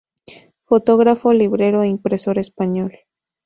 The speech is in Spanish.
Fotógrafo, librero e impresor español.